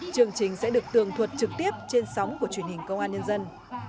chương trình sẽ được tường thuật trực tiếp trên sóng của truyền hình công an nhân dân